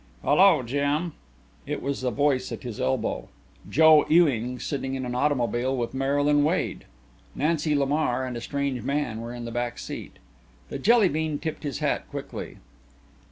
"Hello, Jim." It was a voice at his elbow Joe Ewing sitting in an automobile with Marylyn Wade. Nancy Lamar and a strange man were in the back seat. The Jelly bean tipped his hat quickly.